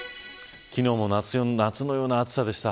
昨日も夏のような暑さでした。